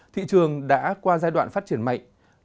thị trường đã qua giai đoạn phát triển mạnh